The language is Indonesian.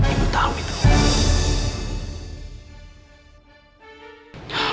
ibu tahu itu